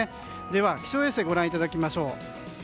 では気象衛星ご覧いただきましょう。